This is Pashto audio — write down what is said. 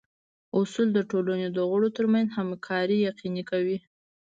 اصول د ټولنې د غړو ترمنځ همکاري یقیني کوي.